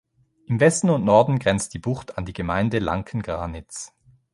Im Westen und Norden grenzt die Bucht an die Gemeinde Lancken-Granitz.